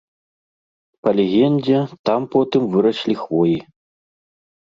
Па легендзе, там потым выраслі хвоі.